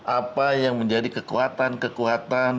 apa yang menjadi kekuatan kekuatan